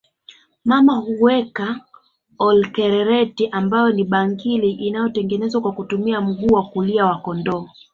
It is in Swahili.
Mama huweka Olkererreti ambayo ni bangili iliyotengenezwa kwa kutumia mguu wa kulia wa kondoo